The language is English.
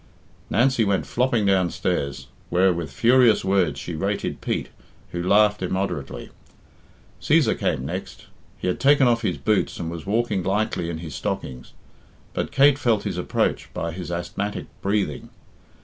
Nancy went flopping downstairs, where with furious words she rated Pete, who laughed immoderately. Cæsar came next. He had taken off his boots and was walking lightly in his stockings; but Kate felt his approach by his asthmatic breathing.